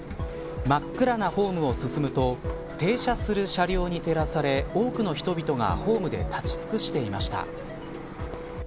真っ暗なホームを進むと停車する車両に照らされ多くの人々がホームで立ち尽くしていました。